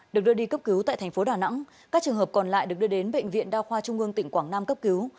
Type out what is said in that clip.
được đưa đi cấp cứu tại thành phố đà nẵng các trường hợp còn lại được đưa đến bệnh viện đa khoa trung ương tỉnh quảng nam cấp cứu